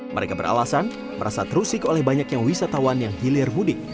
mereka beralasan merasa terusik oleh banyaknya wisatawan yang hilir mudik